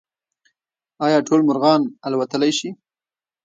ایا ټول مرغان الوتلی شي؟